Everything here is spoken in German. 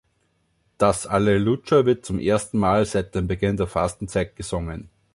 Das Alleluja wird das erste Mal seit dem Beginn der Fastenzeit gesungen.